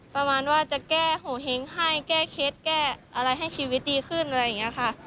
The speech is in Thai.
ประมาณว่าจะแก้โหเฮ้งให้แก้เคล็ดแก้อะไรให้ชีวิตดีขึ้นอะไรอย่างนี้ค่ะ